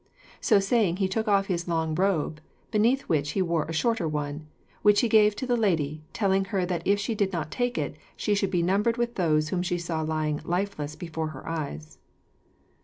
So saying, he took off his long robe, beneath which he wore a shorter one, which he gave to the lady, telling her that if she did not take it, she should be numbered with those whom she saw lying lifeless before her eyes.